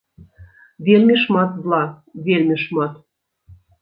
Вельмі шмат зла, вельмі шмат.